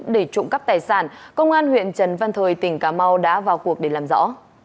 để trộm cắp tài sản công an huyện trần văn thời tỉnh cà mau đã vào cuộc để làm rõ